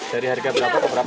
dari harga berapa ke berapa